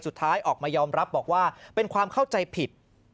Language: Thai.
สุดท้ายออกมายอมรับบอกว่าเป็นความเข้าใจผิด